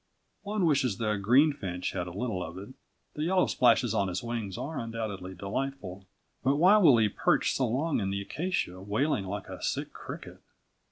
One wishes the greenfinch had a little of it. The yellow splashes on his wings are undoubtedly delightful, but why will he perch so long in the acacia wailing like a sick cricket?